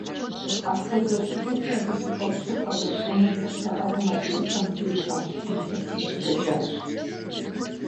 Апхуэдэ щӏыкӏэкӏэ, Алыджыкъуэпщыр хъэзэр щӏыунэм зэрыщаӏыгъым адыгэхэм зыри хамыщӏыкӏыу илъэсищ дэкӏащ.